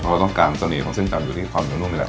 เพราะเราต้องการเส้นจำอยู่ที่ความเหนียวนุ่มนี่แหละ